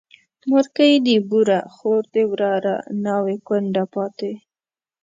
مورکۍ دي بوره، خور دي وراره، ناوې کونډه پاته